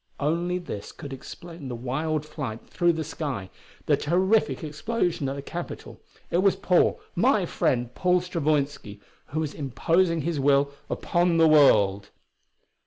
Only this could explain the wild flight through the sky, the terrific explosion at the Capitol. It was Paul my friend, Paul Stravoinski who was imposing his will upon the world.